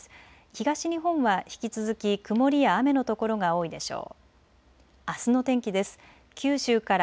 東日本は引き続き曇りや雨のところが多いでしょう。